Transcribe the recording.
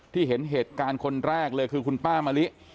เห็นเหตุการณ์คนแรกเลยคือคุณป้ามะลิ